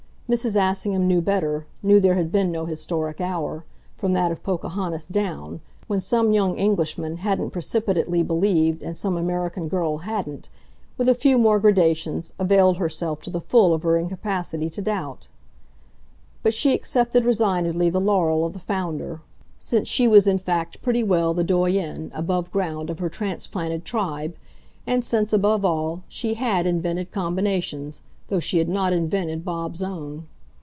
Mrs. Assingham knew better, knew there had been no historic hour, from that of Pocahontas down, when some young Englishman hadn't precipitately believed and some American girl hadn't, with a few more gradations, availed herself to the full of her incapacity to doubt; but she accepted resignedly the laurel of the founder, since she was in fact pretty well the doyenne, above ground, of her transplanted tribe, and since, above all, she HAD invented combinations, though she had not invented Bob's own.